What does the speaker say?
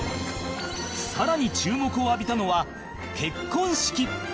さらに注目を浴びたのは結婚式